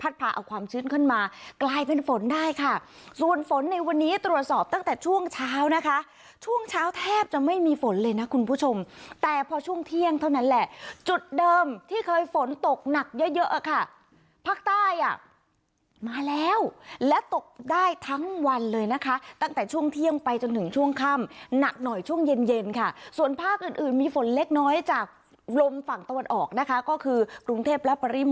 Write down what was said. ได้ตรวจสอบตั้งแต่ช่วงเช้านะคะช่วงเช้าแทบจะไม่มีฝนเลยนะคุณผู้ชมแต่พอช่วงเที่ยงเท่านั้นแหละจุดเดิมที่เคยฝนตกหนักเยอะอ่ะค่ะภาคใต้อ่ะมาแล้วและตกได้ทั้งวันเลยนะคะตั้งแต่ช่วงเที่ยงไปจนถึงช่วงค่ำหนักหน่อยช่วงเย็นค่ะส่วนภาคอื่นมีฝนเล็กน้อยจากลมฝั่งตะวันออกนะคะก็คือกร